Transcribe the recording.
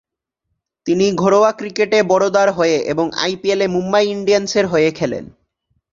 তিনি ঘরোয়া ক্রিকেটে বরোদার হয়ে, এবং আইপিএলে মুম্বই ইন্ডিয়ান্সের হয়ে খেলেন।